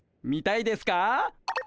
見たいですか？